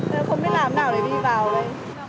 nên là không biết làm thế nào để đi vào đây